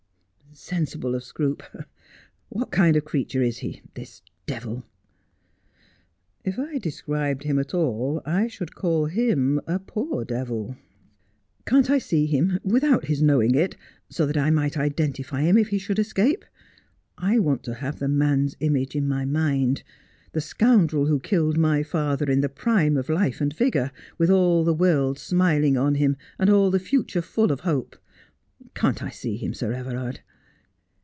' Sensible of Scroope. What kind of creature is he — this devil 1 '' If I described him at all I should call him a poor devil." ' Can't I see him — without his knowing it — so that I might 30 Just as I Am. identify him if he should escape ? I want to hare the man's image in my mind. The scoundrel who killed my father in his prime of life and vigour, with all the world smiling on him, and all the future full of hope. Can't I see him, Sir Everard